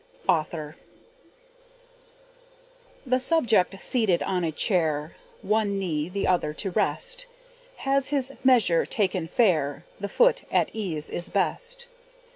Author. The subject, seated on a chair, One knee the other to rest, Has his measure taken fair, The foot at ease is best.